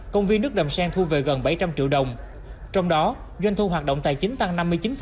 công viên nước đầm sen thu về gần bảy trăm linh triệu đồng trong đó doanh thu hoạt động tài chính tăng năm mươi chín